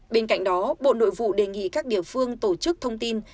bên cạnh đó bộ nội vụ đề nghị các địa phương tổ chức thông tin